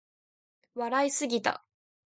笑いすぎた